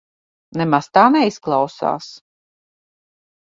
Nemaz tā neizklausās.